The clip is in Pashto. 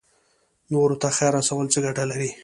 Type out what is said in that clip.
نورو ته خیر رسول څه ګټه لري؟